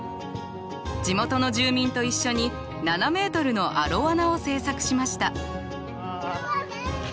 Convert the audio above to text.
地元の住民と一緒に７ｍのアロワナを制作しました。